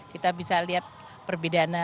kita bisa lihat perbedaan sulit